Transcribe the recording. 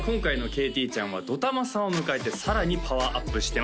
ＫＴちゃんはＤＯＴＡＭＡさんを迎えてさらにパワーアップしてます